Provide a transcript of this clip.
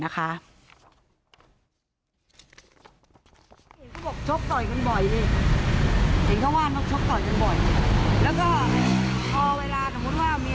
เห็นเขาบอกชกต่อยกันบ่อยเลยเห็นเขาว่าเขาชกต่อยกันบ่อย